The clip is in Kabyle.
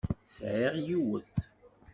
Sεiɣ yiwet.